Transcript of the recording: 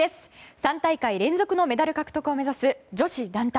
３大会連続のメダル獲得を目指す女子団体。